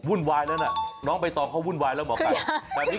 วุ่นวายแล้วน่ะน้องไปตอบเขาวุ่นวายแล้วหมอไก่